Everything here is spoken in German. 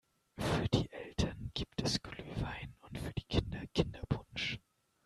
Für die Eltern gibt es Glühwein und für die Kinder Kinderpunsch.